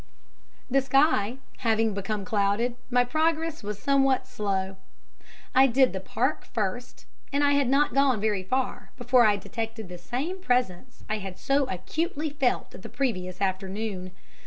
The sky having become clouded my progress was somewhat slow. I did the Park first, and I had not gone very far before I detected the same presence I had so acutely felt the previous afternoon.